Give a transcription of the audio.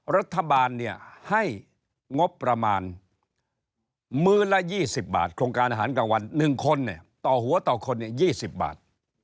รัฐบาลเนี่ยให้งบประมาณ๑๐๐๐๐ละ๒๐บาทโครงการอาหารกลางวัน๑คนเนี่ยต่อหัวต่อคนเนี่ย๒๐บาท